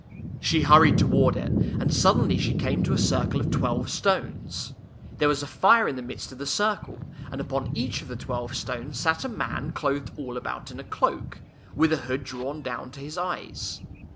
She hur ried toward it, and suddenly she came to a circle of twelve stones. There was a fire in the midst of the circle, and upon each of the twelve stones sat a man clothed all about in a cloak, with a hood drawn down to his eyes.